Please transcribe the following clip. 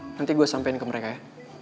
nanti gue sampein ke mereka ya